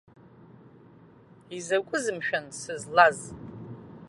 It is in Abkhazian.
Изакәыз, мшәан, сызлаз?